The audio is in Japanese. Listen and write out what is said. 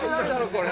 これ。